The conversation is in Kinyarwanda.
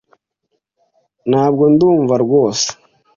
Ntabwo ndumva rwose.